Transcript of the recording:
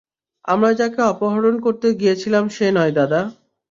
আমরা যাকে অপহরণ করতে গিয়েছিলাম সে নয়, দাদা।